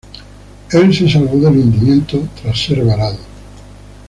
El se salvó del hundimiento tras ser varado.